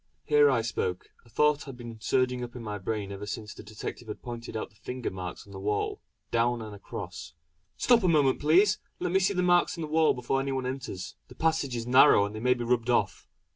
Here I spoke; a thought had been surging up in my brain ever since the detective had pointed out the finger marks on the wall "down and across": "Stop a moment please! Let me see the marks on the wall before any one enters; the passage is narrow and they may be rubbed off."